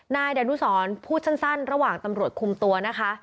นายดานุสรพูดสั้นระหว่างตำรวจคุมตัวนะคะ